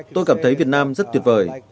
tôi cảm thấy việt nam rất tuyệt vời